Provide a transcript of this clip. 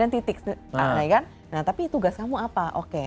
dan titik nah tapi tugas kamu apa oke